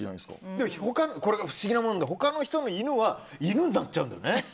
でも、これが不思議なもので他の人の犬は犬になっちゃうんだよね。